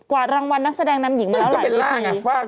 กว่ารางวัลนักแสดงนำหญิงมาหลายที